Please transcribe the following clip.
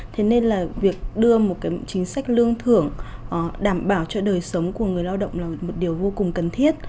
thế nên là việc đưa một chính sách lương thưởng đảm bảo cho đời sống của người lao động là